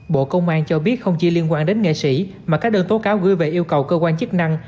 bộ công an cho biết không chỉ liên quan đến nghệ sĩ mà các đơn tố cáo gửi về yêu cầu cơ quan chức năng